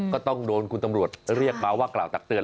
ก็ต้องโดนคุณตำรวจเรียกมาว่ากล่าวตักเตือ